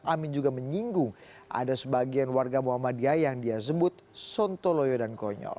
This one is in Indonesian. amin juga menyinggung ada sebagian warga muhammadiyah yang dia sebut sontoloyo dan konyol